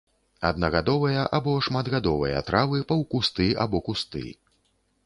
Аднагадовыя або шматгадовыя травы, паўкусты або кусты.